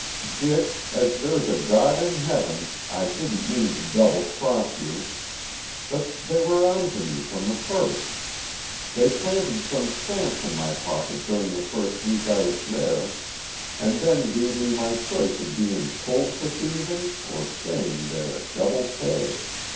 "Dick, as there's a God in heaven I didn't mean to double cross you. But they were on to me from the first. They planted some stamps in my pocket during the first week I was there and then gave me my choice of bein' pulled for thieving or staying there at double pay.